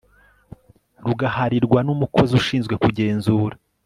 ruhagararirwa n umukozi ushinzwe kugenzura